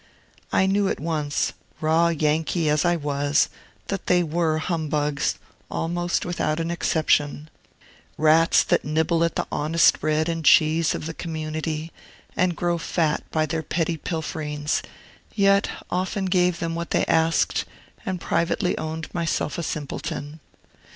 I knew at once, raw Yankee as I was, that they were humbugs, almost without an exception, rats that nibble at the honest bread and cheese of the community, and grow fat by their petty pilferings, yet often gave them what they asked, and privately owned myself a simpleton.